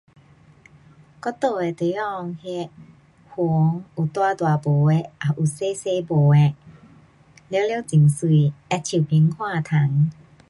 我住的地方那云有大大朵的，也有小小多的。全部很美，好像棉花糖。